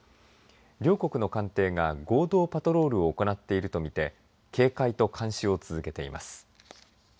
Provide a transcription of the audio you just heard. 両国の艦艇が合同パトロールを行っていると見て警戒と監視を続けています。